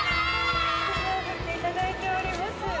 「旗を振っていただいております」